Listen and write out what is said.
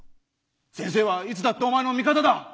先生はいつだってお前の味方だ！